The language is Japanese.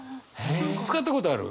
使ったことある？